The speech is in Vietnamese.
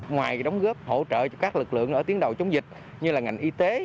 ngoài đóng góp hỗ trợ cho các lực lượng ở tiến đầu chống dịch như là ngành y tế